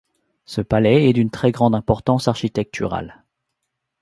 Ce palais est d'une très grande importance architecturale.